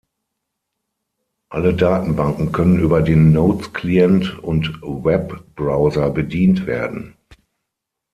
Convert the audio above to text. Alle Datenbanken können über den Notes-Client und Webbrowser bedient werden.